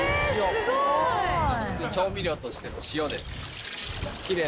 調味料としての塩です。